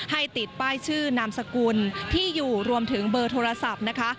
ติดป้ายชื่อนามสกุลที่อยู่รวมถึงเบอร์โทรศัพท์นะคะ